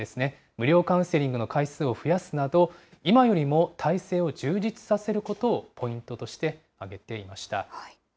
無料カウンセリングの回数を増やすなど、今よりも態勢を充実させることをポイントとして挙げていました。